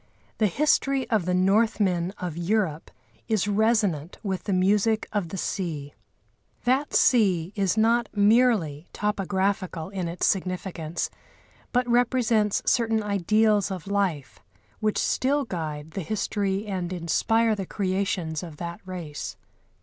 The history of the Northmen of Europe is resonant with the music of the sea. That sea is not merely topographical in its significance, but represents certain ideals of life which still guide the history and inspire the creations of that race.